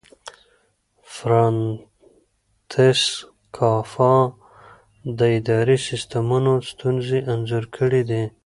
فرانتس کافکا د اداري سیسټمونو ستونزې انځور کړې دي.